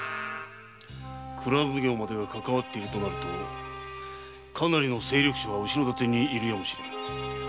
蔵奉行までがかかわっているとなるとかなりの勢力者が後ろ盾にいるやもしれん。